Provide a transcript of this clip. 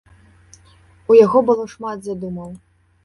У яго было шмат задумаў.